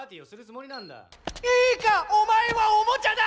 いいかお前はおもちゃだ。